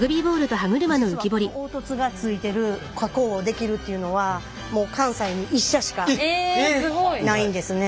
実はこの凹凸がついてる加工をできるっていうのはもう関西に１社しかないんですね。